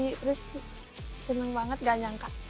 terus seneng banget gak nyangka